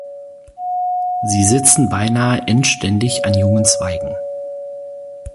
Sie sitzen beinahe endständig an jungen Zweigen.